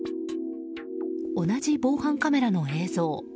同じ防犯カメラの映像。